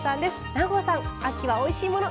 南光さん、秋はおいしいもの